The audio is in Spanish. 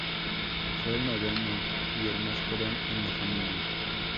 Fue el noveno y el más joven en la familia.